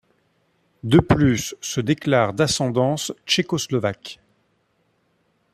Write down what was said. De plus, se déclarent d'ascendance tchécoslovaques.